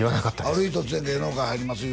ある日突然「芸能界入ります」